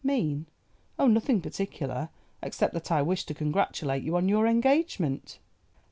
"Mean! oh, nothing particular, except that I wished to congratulate you on your engagement."